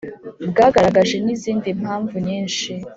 bwagaragaje n’izindi mpamvu nyinshi